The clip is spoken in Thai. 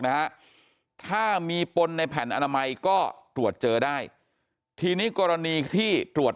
นะฮะถ้ามีปนในแผ่นอนามัยก็ตรวจเจอได้ทีนี้กรณีที่ตรวจ